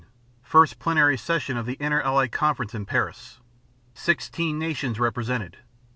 29 First plenary session of the Interallied Conference in Paris. Sixteen nations represented.